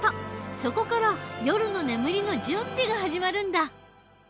そこから夜の眠りの準備が始まるんだ。